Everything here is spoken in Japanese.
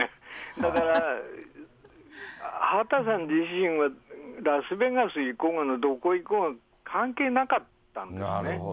だから、畑さん自身は、ラスベガス行こうが、どこ行こうが、関係なかったんですね。